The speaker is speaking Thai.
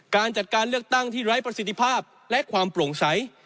การจัดการเลือกตั้งที่ไร้ประสิทธิภาพและความโปร่งใส